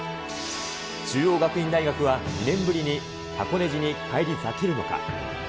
中央学院大学は２年ぶりに箱根路に返り咲けるのか。